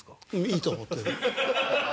いいと思ってる。